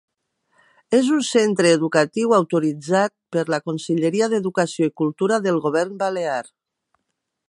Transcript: És un centre educatiu autoritzat per la Conselleria d'Educació i Cultura del Govern Balear.